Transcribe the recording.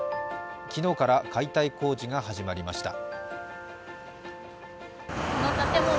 昨日から解体工事が始まりました。